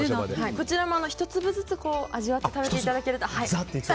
こちらも１粒ずつ味わって食べていただけると。